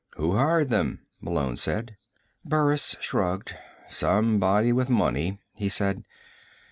"Who hired them?" Malone said. Burris shrugged. "Somebody with money," he said.